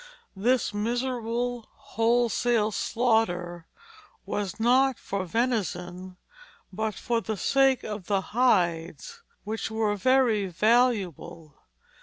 This miserable, wholesale slaughter was not for venison, but for the sake of the hides, which were very valuable.